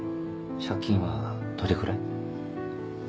借金はどれくらい？